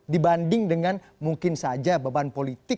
dibanding dengan mungkin saja beban politik